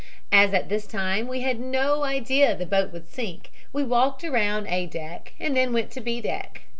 As at this time we had no idea the boat would sink we walked around A deck and then went to B deck.